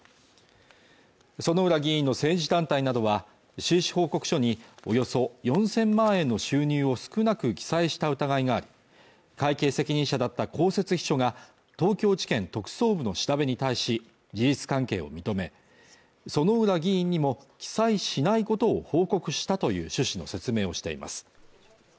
薗浦議員の政治団体などは収支報告書におよそ４０００万円の収入を少なく記載した疑いがあり会計責任者だった公設秘書が東京地検特捜部の調べに対し事実関係を認め薗浦議員にも記載しないことを報告したという趣旨の説明をしています